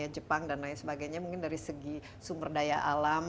jepang dan lain sebagainya mungkin dari segi sumber daya alam